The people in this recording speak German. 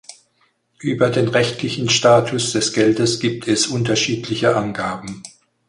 Über den rechtlichen Status des Geldes gibt es unterschiedliche Angaben.